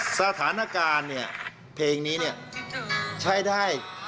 สถานการณ์เนี่ยเพลงนี้เนี่ยใช้ได้